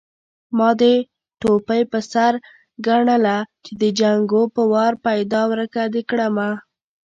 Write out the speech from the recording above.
ما دې ټوپۍ په سر ګڼله د جنکو په وار پيدا ورکه دې کړمه